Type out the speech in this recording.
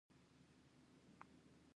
چرګان د افغان کورنیو د دودونو مهم عنصر دی.